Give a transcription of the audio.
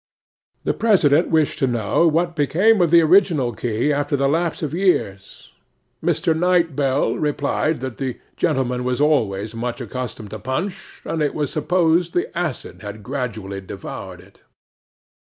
'THE PRESIDENT wished to know what became of the original key after the lapse of years. Mr. Knight Bell replied that the gentleman was always much accustomed to punch, and it was supposed the acid had gradually devoured it.